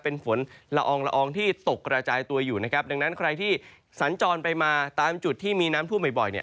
เป็นฝนละอองละอองที่ตกกระจายตัวอยู่นะครับดังนั้นใครที่สัญจรไปมาตามจุดที่มีน้ำท่วมบ่อยเนี่ย